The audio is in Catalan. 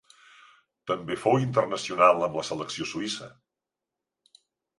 També fou internacional amb la selecció suïssa.